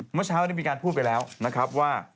เมื่อเช้าได้มีการพูดไปแล้วนะครับว่า